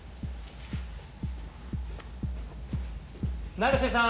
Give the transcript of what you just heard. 成瀬さん。